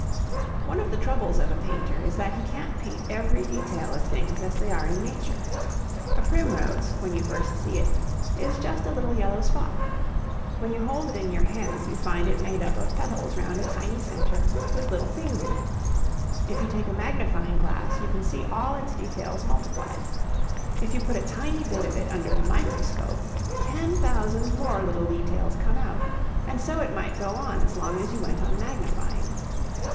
One of the troubles of a painter is that he can't paint every detail of things as they are in nature. A primrose, when you first see it, is just a little yellow spot. When you hold it in your hand you find it made up of petals round a tiny centre with little things in it. If you take a magnifying glass you can see all its details multiplied. If you put a tiny bit of it under a microscope, ten thousand more little details come out, and so it might go on as long as you went on magnifying.